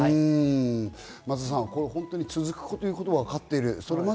松田さん、本当に続くということがわかっている。